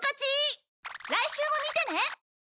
来週も見てね！